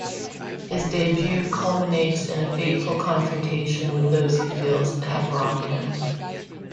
His debut culminates in a fateful confrontation with those he feels have wronged him.